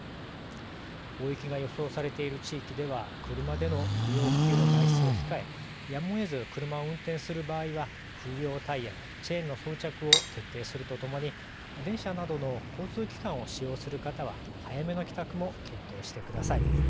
大雪が予想されている地域では車での不要不急の外出を控えやむをえず車を運転する場合は冬用タイヤやチェーンの装着を徹底するとともに電車などの交通機関を使用する方は早めの帰宅も検討してください。